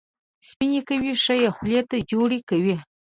سپینه کوي، ښه یې خولې ته جوړه کوي.